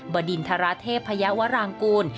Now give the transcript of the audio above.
บดินทรเทพยาวรางกูล